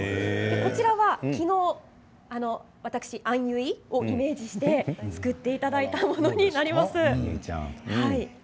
こちらは昨日、私あんゆいをイメージして作っていただいたものになります。